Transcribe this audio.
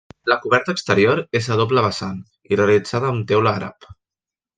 La coberta exterior és a doble vessant i realitzada amb teula àrab.